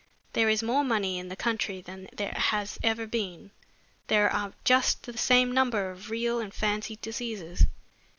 There is more money in the country than there has ever been, but there are just the same number of real and fancied diseases.